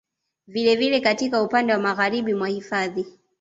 Vile vile katika upande wa magharibi mwa hifadhi